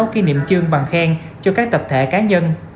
một mươi sáu kỷ niệm chương bằng khen cho các tập thể cá nhân